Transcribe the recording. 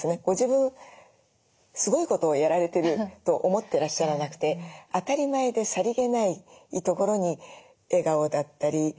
ご自分すごいことをやられてると思ってらっしゃらなくて当たり前でさりげないところに笑顔だったり。